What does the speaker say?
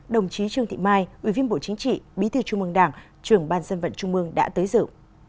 đồng chí trương thị mai ủy viên bộ chính trị bí thư trung mương đảng trưởng ban dân vận trung mương đã tới dự